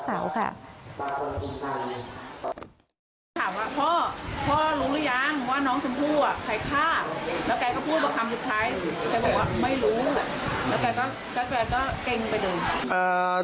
แล้วแกก็เก็งไปเลย